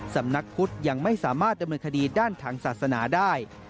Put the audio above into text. สำนักพุทธยังไม่สามารถดำเนินคดีด้านทางศาสนาได้